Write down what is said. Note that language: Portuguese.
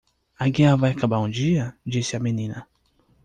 "A guerra vai acabar um dia?" disse a menina.